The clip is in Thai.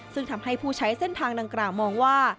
ซึ่งทำให้ผู้ใช้เส้นทางดังกล่าวมองว่า